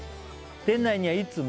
「店内にはいつも」